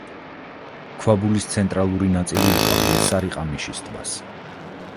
ქვაბულის ცენტრალური ნაწილი უკავია სარიყამიშის ტბას.